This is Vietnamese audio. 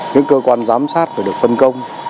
những cơ quan giám sát phải được phân công